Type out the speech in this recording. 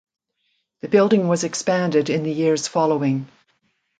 The building was expanded in the years following.